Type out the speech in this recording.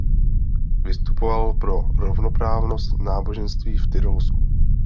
Vystupoval pro rovnoprávnost náboženství v Tyrolsku.